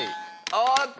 おーっと